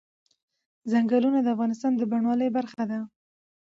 چنګلونه د افغانستان د بڼوالۍ برخه ده.